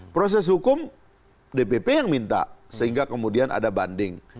proses hukum dpp yang minta sehingga kemudian ada banding